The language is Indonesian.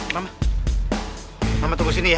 mama tunggu sini ya